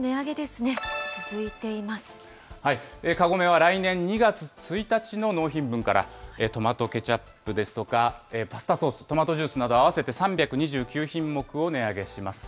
カゴメは来年２月１日の納品分から、トマトケチャップですとかパスタソース、トマトジュースなど合わせて３２９品目を値上げします。